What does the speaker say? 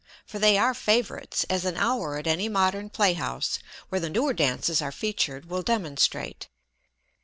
For they are favorites, as an hour at any modern playhouse where the newer dances are featured, will demonstrate.